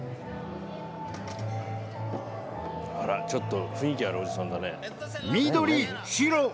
あらちょっと雰囲気あるおじさんだね。